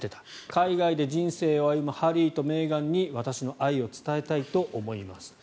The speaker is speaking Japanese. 海外で人生を歩むハリーとメーガンに私の愛を伝えたいと思いますと。